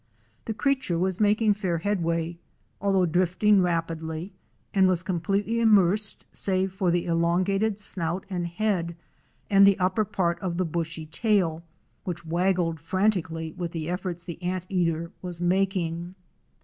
The creature was making fair headway, although drifting rapidly, and was completely immersed save for the elon gated snout and head, and the upper part of the bushy tail, which waggled frantically with the efforts the anteater was making.